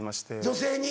女性に。